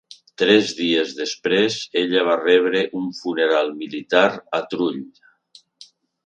Tres dies després, ella va rebre un funeral militar a Trull.